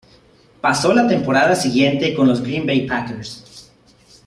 Pasó la temporada siguiente con los Green Bay Packers.